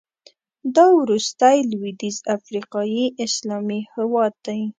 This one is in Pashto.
دا وروستی لوېدیځ افریقایي اسلامي هېواد دی.